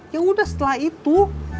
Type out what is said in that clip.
ya udah setelah itu